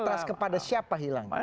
trust kepada siapa hilang